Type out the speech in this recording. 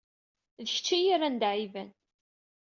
D kečč i yi-yerran d aɛiban.